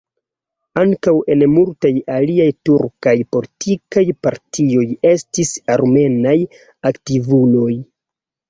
Ankaŭ en multaj aliaj turkaj politikaj partioj estis armenaj aktivuloj.